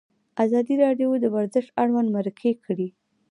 ازادي راډیو د ورزش اړوند مرکې کړي.